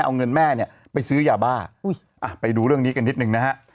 เอาเงินแม่เนี่ยไปซื้อยาบ้าไปดูเรื่องนี้กันนิดนึงนะฮะ